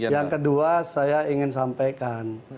yang kedua saya ingin sampaikan